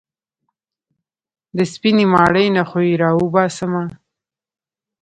د سپينې ماڼۍ نه خو يې راوباسمه.